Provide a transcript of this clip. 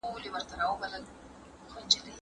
جنون عشق غیور است و شهر پر آشوب